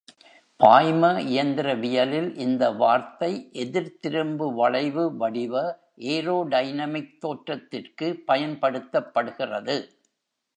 பாய்ம இயந்திரவியலில், இந்த வார்த்தை எதிர்த்திரும்பு வளைவு (S) வடிவ ஏரோடைனமிக் தோற்றத்திற்கு பயன்படுத்தப்படுகிறது.